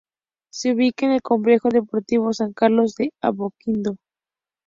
Se ubica en el Complejo Deportivo San Carlos de Apoquindo.